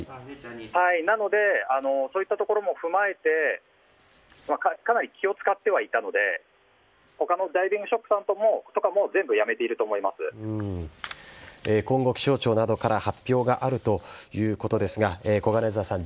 なのでそういったところも踏まえてかなり気を使ってはいたので他のダイビングショップさんとかも今後、気象庁などから発表があるということですがコガネザワさん